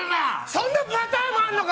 そんなパターンもあるのか！